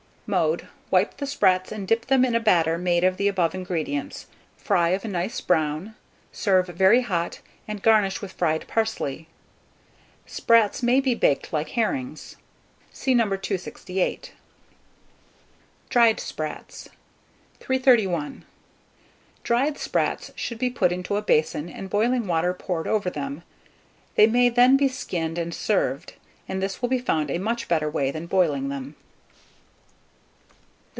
Mode. Wipe the sprats, and dip them in a batter made of the above ingredients. Fry of a nice brown, serve very hot, and garnish with fried parsley. Sprats may be baked like herrings. (See No. 268.) DRIED SPRATS. 331. Dried sprats should be put into a basin, and boiling water poured over them; they may then be skinned and served, and this will be found a much better way than boiling them.